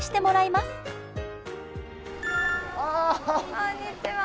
こんにちは。